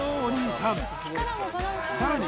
さらに